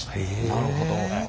なるほど。